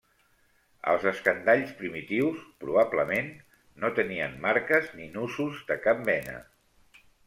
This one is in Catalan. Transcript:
Els escandalls primitius, probablement, no tenien marques ni nusos de cap mena.